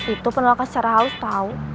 itu penolakan secara halus tau